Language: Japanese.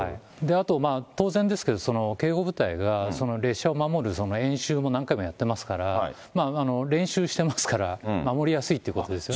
あと、当然ですけど、警護部隊が列車を守る演習も何回もやってますから、練習してますから、守りやすいということですよね。